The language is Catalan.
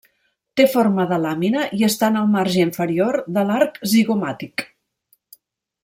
Té forma de làmina i està en el marge inferior de l'arc zigomàtic.